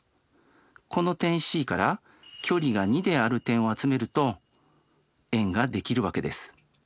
この点Ｃから距離が２である点を集めると円が出来るわけです。